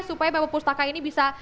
supaya memang pustaka ini bisa